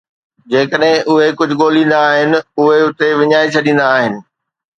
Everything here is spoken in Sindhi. جيڪڏهن اهي ڪجهه ڳوليندا آهن، اهي اتي وڃائي ڇڏيندا آهن